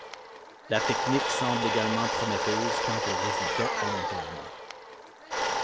La technique semble également prometteuse quant aux résultats à long terme.